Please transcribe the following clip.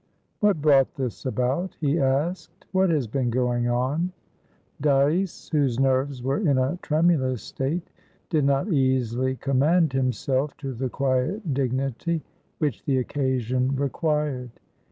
"What brought this about?" he asked. "What has been going on?" Dyce, whose nerves were in a tremulous state, did not easily command himself to the quiet dignity which the occasion required.